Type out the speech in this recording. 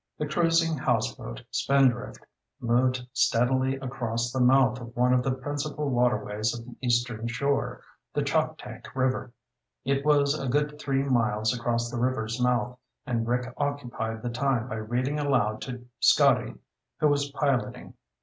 The cruising houseboat Spindrift moved steadily across the mouth of one of the principal waterways of the Eastern Shore, the Choptank River. It was a good three miles across the river's mouth, and Rick occupied the time by reading aloud to Scotty, who was piloting.